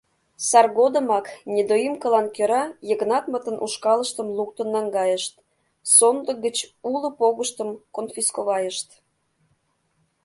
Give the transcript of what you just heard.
Сар годымак недоимкылан кӧра Йыгнатмытын ушкалыштым луктын наҥгайышт, сондык гыч уло погыштым конфисковайышт.